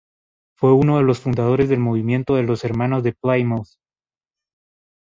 Fue uno de los fundadores del movimiento de los Hermanos de Plymouth.